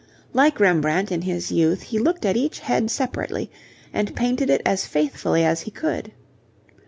Like Rembrandt in his youth, he looked at each head separately and painted it as faithfully as he could.